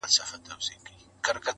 که نڅا وي خو زه هم سم نڅېدلای!.